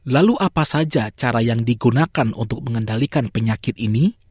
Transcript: lalu apa saja cara yang digunakan untuk mengendalikan penyakit ini